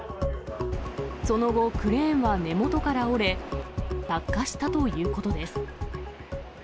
その後、クレーンは根元から折れ、落下したということです。